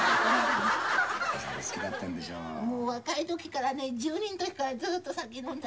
もう若いときからね１２のときからずっと酒飲んじゃって。